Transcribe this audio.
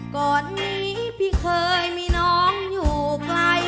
ก่อนนี้พี่เคยมีน้องอยู่ไกล